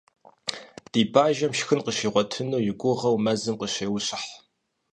Ди бажэм шхын къигъуэтын и гугъэу мэзым къыщеущыхь.